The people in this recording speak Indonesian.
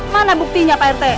mana buktinya pak rt